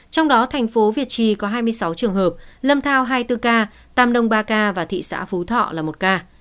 trong đó thành phố việt trì có hai mươi sáu trường hợp lâm thao hai mươi bốn ca tam đông ba ca và thị xã phú thọ là một ca